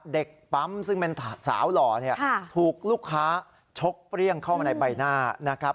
เด็กปั๊มซึ่งเป็นสาวหล่อเนี่ยถูกลูกค้าชกเปรี้ยงเข้ามาในใบหน้านะครับ